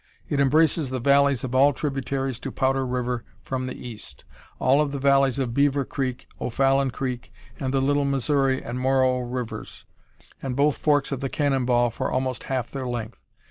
It embraces the valleys of all tributaries to Powder River from the east, all of the valleys of Beaver Creek, O'Fallon Creek, and the Little Missouri and Moreau Rivers, and both forks of the Cannon Ball for almost half their length.